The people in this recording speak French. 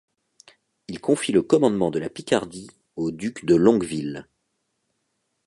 Il confie le commandement de la Picardie au duc de Longueville.